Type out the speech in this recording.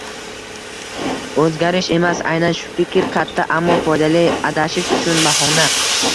o’zgarish emas. Aynan shu fikr katta, ammo foydali adashish uchun bahona.